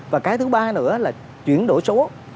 và cái thứ ba nữa là chuyển đổi số